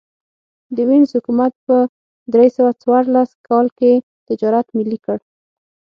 د وینز حکومت په درې سوه څوارلس کال کې تجارت ملي کړ